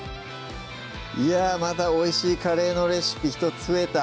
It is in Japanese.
またおいしいカレーのレシピ１つ増えた